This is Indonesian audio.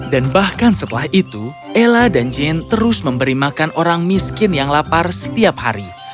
dan bahkan setelah itu ella dan jane terus memberi makan orang miskin yang lapar setiap hari